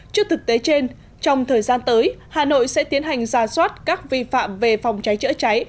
trước thực tế trên trong thời gian tới hà nội sẽ tiến hành ra soát các vi phạm về phòng cháy chữa cháy